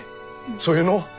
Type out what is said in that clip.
そういうの。